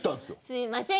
すいません